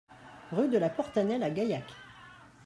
Rue de la Portanelle à Gaillac